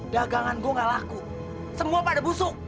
dagangan gue gak laku semua pada busuk